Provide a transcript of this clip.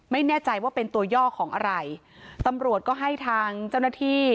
ไม่แน่ใจว่าเป็นตัวย่อของอะไรตำรวจก็ให้ทางเจ้าหน้าที่